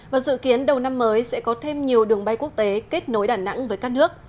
và dự kiến đầu năm mới sẽ có thêm nhiều đường bay quốc tế kết nối đà nẵng với các nước